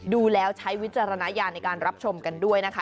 ดูแล้วใช้วิจารณญาณในการรับชมกันด้วยนะคะ